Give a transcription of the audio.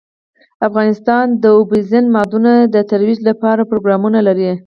افغانستان د اوبزین معدنونه د ترویج لپاره پروګرامونه لري.